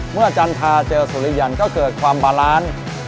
เมื่อจรรภาเจอสุริยันก็เกิดความบลานล์